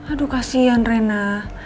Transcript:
aduh kasihan rena